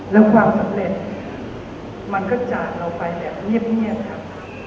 แล้วความสำเร็จมันก็จากเราไปแบบเงียบครับ